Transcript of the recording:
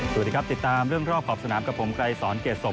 สวัสดีครับติดตามเรื่องรอบขอบสนามกับผมไกรสอนเกรดศพ